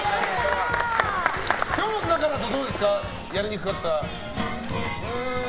今日の中だとどうですかやりにくかったのは。